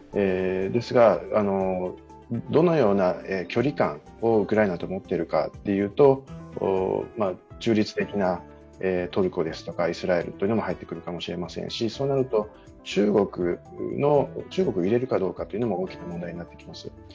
ですが、どのような距離感をウクライナと持っているかというと中立的なトルコやイスラエルが入ってくるかもしれませんしそうなると、中国を入れるかどうかというのも大きく問題になってきます。